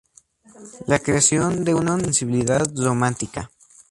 La creación de una sensibilidad romántica".